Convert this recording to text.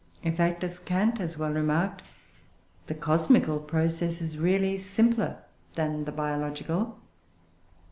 In fact, as Kant has well remarked, the cosmical process is really simpler than the biological.